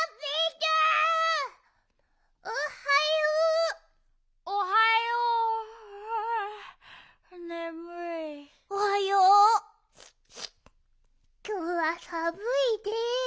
きょうはさぶいで。